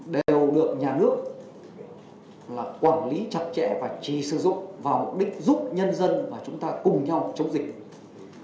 đều được nhà nước quản lý chặt chẽ và chỉ sử dụng vào mục đích giúp nhân dân và chúng ta cùng nhau chống dịch được